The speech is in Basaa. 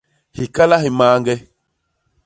Hikala hi mañge.